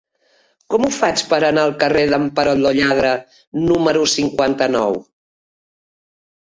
Com ho faig per anar al carrer d'en Perot lo Lladre número cinquanta-nou?